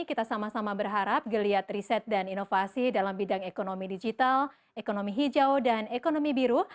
kita sama sama berharap geliat riset dan inovasi dalam bidang ekonomi digital ekonomi hijau dan ekonomi biru